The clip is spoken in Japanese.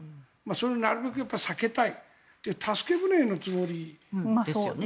それをなるべく避けたいという助け舟のつもりですよね。